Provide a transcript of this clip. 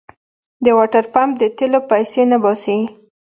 د واټرپمپ د تېلو پيسې نه باسي.